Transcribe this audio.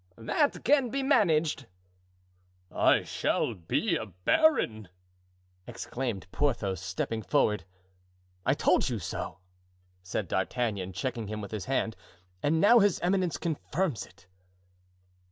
That can be managed." "I shall be baron!" explained Porthos, stepping forward. "I told you so," said D'Artagnan, checking him with his hand; "and now his eminence confirms it."